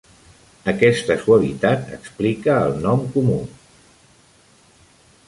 Aquesta suavitat explica el nom comú.